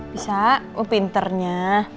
bisa oh pintarnya